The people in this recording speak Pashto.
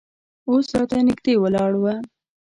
اوس راته نږدې ولاړ و.